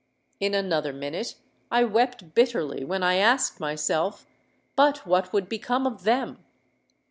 In another minute I wept bitterly when I asked myself, 'But what would become of them?'